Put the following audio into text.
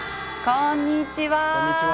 こんにちは。